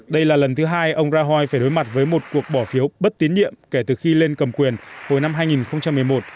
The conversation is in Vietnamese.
đây là lần thứ hai ông rahoi phải đối mặt với một cuộc bỏ phiếu bất tín nhiệm kể từ khi lên cầm quyền hồi năm hai nghìn một mươi một